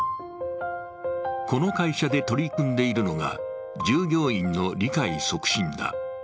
この会社で取り組んでいるのが従業員の理解促進だ。